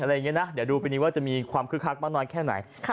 เดี๋ยวดูไปนี้ว่าจะมีความคือคักมากนอนแค่ไหน